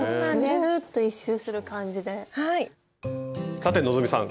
さて希さん